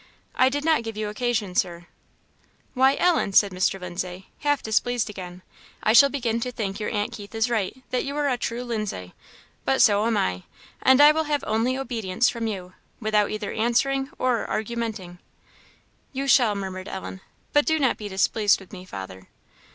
"I did not give you occasion, Sir?" "Why, Ellen!" said Mr. Lindsay, half displeased again, "I shall begin to think your aunt Keith is right, that you are a true Lindsay. But so am I, and I will have only obedience from you, without either answering or argumenting." "You shall," murmured Ellen. "But do not be displeased with me, father."